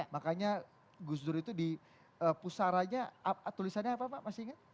makanya gus dur itu di pusaranya tulisannya apa pak masih ingat